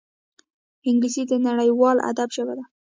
انګلیسي د نړیوال ادب ژبه ده